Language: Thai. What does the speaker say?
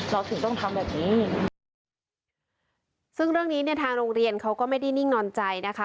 เราถึงต้องทำแบบนี้ซึ่งเรื่องนี้เนี่ยทางโรงเรียนเขาก็ไม่ได้นิ่งนอนใจนะคะ